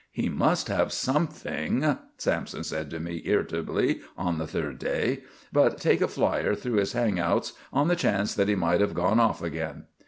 "He must have something," Sampson said to me irritably on the third day. "But take a flier through his hangouts on the chance that he might have gone off again."